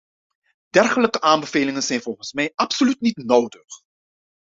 Dergelijke aanbevelingen zijn volgens mij absoluut niet nodig.